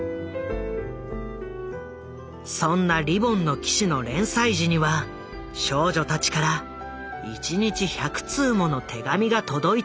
そんな「リボンの騎士」の連載時には少女たちから１日１００通もの手紙が届いたという。